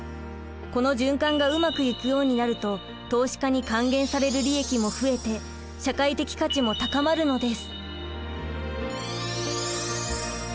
この循環がうまくいくようになると投資家に還元される利益も増えて社会的価値も高まるのです。